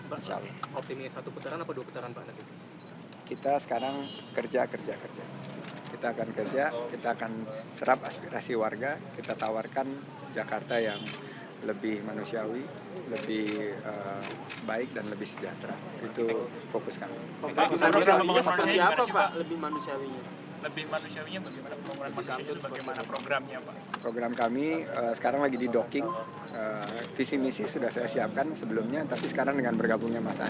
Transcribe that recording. optimis satu putaran atau dua putaran pak